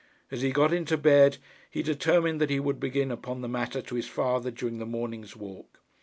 As he got into bed he determined that he would begin upon the matter to his father during the morning's walk.